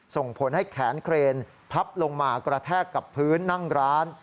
ส่งผลให้แขนเครนพับลงมากระแทกกับพื้นนั่งร้าน